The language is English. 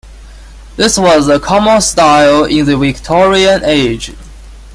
This was a common style in the Victorian Age.